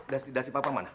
dasi dasi papa mana